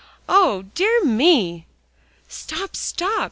O dear me!" "Stop stop!"